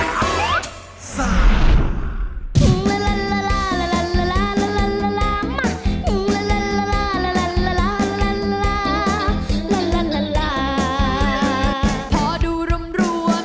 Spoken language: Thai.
แกร่งอัลฟอร์ตฟ้า